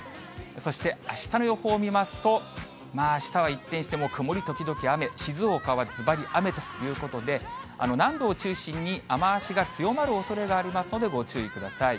そしてあしたの予報を見ますと、まああしたは一転してもう曇り時々雨、静岡はずばり雨ということで、南部を中心に雨足が強まるおそれがありますので、ご注意ください。